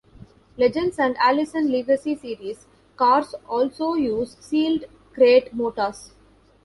Legends and Allison Legacy Series cars also use sealed crate motors.